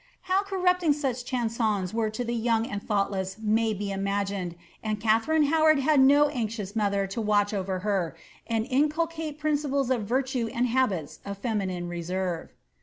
How corrupting such chansons were to the young and thoughtless may be imagined ; and Katharine Howard had no anxious mother to watch over her, and incul cate principles of virtue and habits of feminine reserve.